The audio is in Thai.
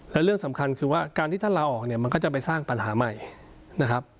และเรื่องสำคัญคือว่าการที่ท่านลาออกเนี่ยมันก็จะไปสร้างปัญหาใหม่นะครับ